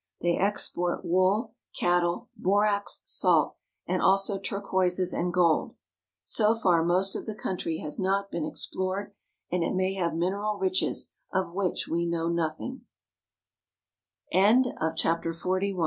They export wool, cattle, borax, salt, and also turquoises and gold. So far most of the country has not been explored, and it may have mineral riches of which we know nothin